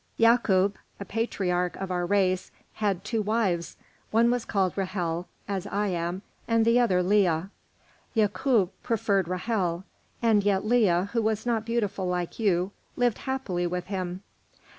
Yacoub, a patriarch of our race, had two wives; one was called Ra'hel as I am, and the other Leah. Yacoub preferred Ra'hel, and yet Leah, who was not beautiful like you, lived happily with him."